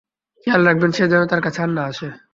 খেয়াল রাখবেন যেন সে তার কাছে আর না আসে।